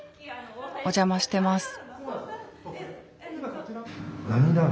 お邪魔してます。